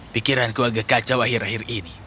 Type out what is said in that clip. pikiran aku agak kacau akhir akhir ini